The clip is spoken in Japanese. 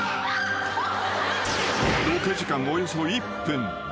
［ロケ時間およそ１分］